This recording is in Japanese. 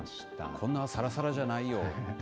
こんなさらさらじゃないよって。